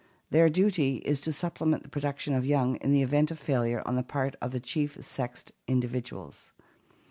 Their duty is to supplement the production of young in the event of failure on the part of the chief sexed individuals.